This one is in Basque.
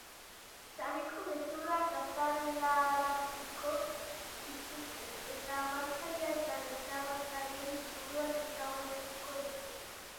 Sareko gezurrak azalaraziko dituzte, eta abantaila eta desabantailen inguruan eztabaidatuko dute.